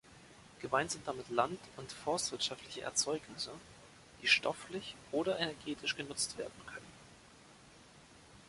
Gemeint sind damit land- und forstwirtschaftliche Erzeugnisse, die stofflich oder energetisch genutzt werden können.